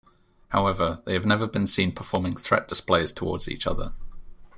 However, they have never been seen performing threat displays towards each other.